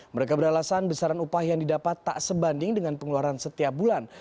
mereka beralasan besaran upah yang didapat tak sebanding dengan pengeluaran setiap bulan